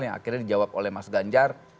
yang akhirnya dijawab oleh mas ganjar